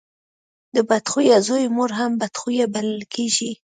د بد خويه زوی مور هم بد خويه بلل کېږي.